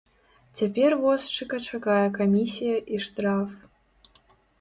Цяпер возчыка чакае камісія і штраф.